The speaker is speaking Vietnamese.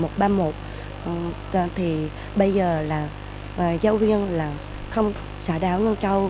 thì bây giờ là giáo viên là không xã đảo nhân châu